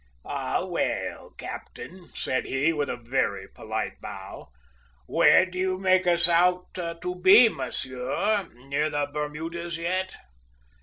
"`Ah well, captain,' said he, with a very polite bow, `where do you make us out to be, monsieur? Near the Bermudas yet?'